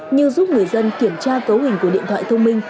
như giúp người dân kiểm tra cấu hình của điện thoại thông minh